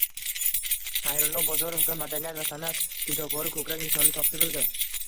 Xayrullo Bozorovga Madaniyat va san’at fidokori ko‘krak nishoni topshirildi